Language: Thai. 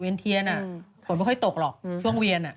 เทียนฝนไม่ค่อยตกหรอกช่วงเวียน